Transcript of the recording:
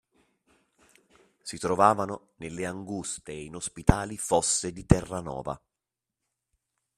Si trovavano nelle anguste e inospitali fosse di Terranova